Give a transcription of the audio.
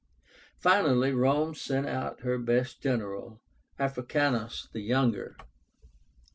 Finally Rome sent out her best general, Africanus the younger.